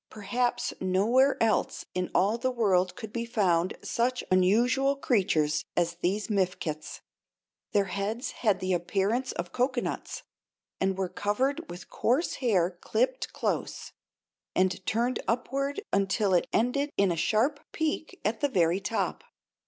Perhaps nowhere else in all the world could be found such unusual creatures as these Mifkets. Their heads had the appearance of coconuts, and were covered with coarse hair clipped close, and turning upward until it ended in a sharp peak at the very top.